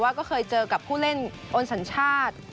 ว่าก็เคยเจอกับผู้เล่นโอนสัญชาติ